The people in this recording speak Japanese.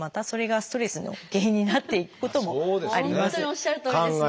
本当におっしゃるとおりですね。